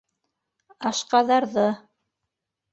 «Ашҡаҙар»ҙы...